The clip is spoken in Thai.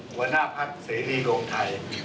หัวหน้าภักษ์เสรีโรงไทย